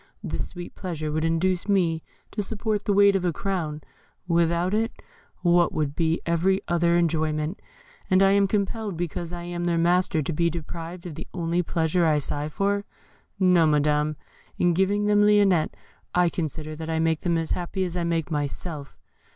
This sweet pleasure would induce me to support the weight of a crown; without it, what would be every other enjoyment? And am I compelled, because I am their master, to be deprived of the only pleasure I sigh for? No, Madam; in giving them Lionette I consider that I make them as happy as I make myself.